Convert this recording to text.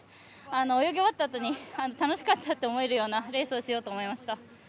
泳ぎ終わったあとに楽しかったと思えるようなレースをしようと思いました。